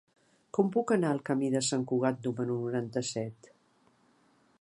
Com puc anar al camí de Sant Cugat número noranta-set?